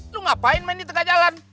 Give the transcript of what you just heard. lu ngapain main di tengah jalan